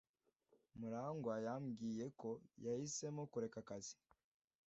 Murangwa yambwiye ko yahisemo kureka akazi.